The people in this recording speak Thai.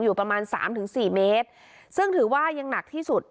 อยู่ประมาณสามถึงสี่เมตรซึ่งถือว่ายังหนักที่สุด